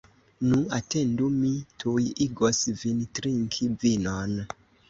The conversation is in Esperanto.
Nu, atendu, mi tuj igos vin trinki vinon!